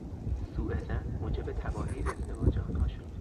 سو ظن موجب تباهی ازدواج آنها شد.